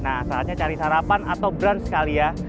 nah saatnya cari sarapan atau brunch sekali ya